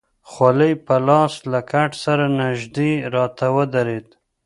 خولۍ په لاس له کټ سره نژدې راته ودرېد.